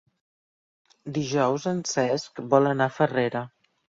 Dijous en Cesc vol anar a Farrera.